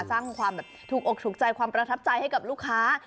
สร้างความแบบถูกอกถูกใจความประทับใจให้กับลูกค้า